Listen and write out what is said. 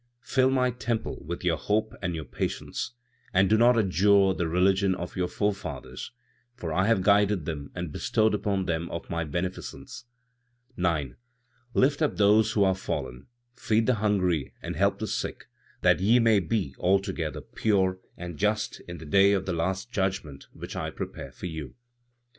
"Fill my temple with your hope and your patience, and do not adjure the religion of your forefathers, for I have guided them and bestowed upon them of my beneficence. 9. "Lift up those who are fallen; feed the hungry and help the sick, that ye may be altogether pure and just in the day of the last judgment which I prepare for you."